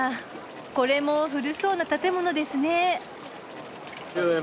これも古そうな建物ですね。